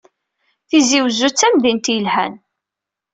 Tiziwezzu d tamdint yelhan.